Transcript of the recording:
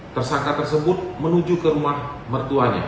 tersangka tersebut menuju ke rumah mertuanya